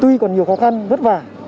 tuy còn nhiều khó khăn vất vả